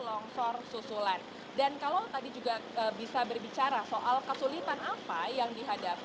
akan dihapit dengan sebing dua puluh empat sampai tiga puluh meter yang di atas